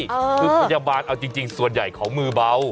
คือพยาบาลเอาจริงส่วนใหญ่เขามือเบา